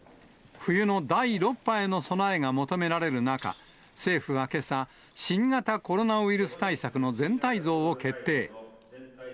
冬の第６波への備えが求められる中、政府はけさ、新型コロナウイルス対策の全体像を決定。